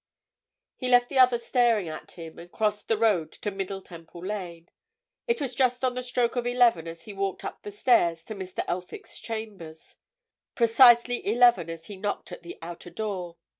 He left the other staring at him, and crossed the road to Middle Temple Lane. It was just on the stroke of eleven as he walked up the stairs to Mr. Elphick's chambers; precisely eleven as he knocked at the outer door.